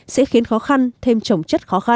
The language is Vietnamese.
sẽ khiến khó khăn thêm chổng chất khó khăn